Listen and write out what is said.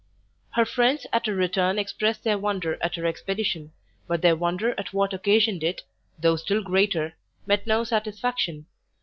Her friends at her return expressed their wonder at her expedition, but their wonder at what occasioned it, though still greater, met no satisfaction.